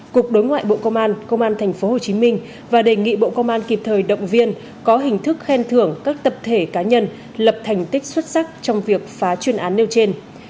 cục đối ngoại bộ công an công an thành phố hồ chí minh và đề nghị bộ công an kịp thời động viên có hình thức khen thưởng các tập thể cá nhân lập thành tích xuất sắc trong việc phá chuyên án nêu trên